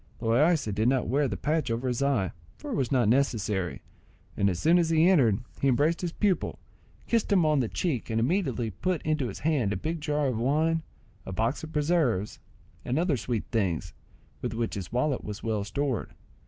Loaysa did not wear the patch over his eye, for it was not necessary, and as soon as he entered he embraced his pupil, kissed him on the cheek, and immediately put into his hand a big jar of wine, a box of preserves, and other sweet things, with which his wallet was well stored.